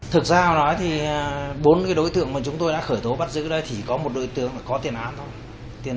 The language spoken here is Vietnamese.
thực ra nói thì bốn đối tượng mà chúng tôi đã khởi tố bắt giữ đây thì có một đối tượng có tiền án thôi